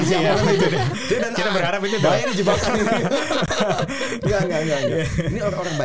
doanya di jebakan ini